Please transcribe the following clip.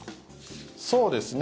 そうですね。